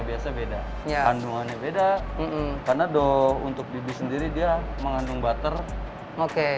biasa beda kandungannya beda karena do untuk bibi sendiri dia mengandung butter oke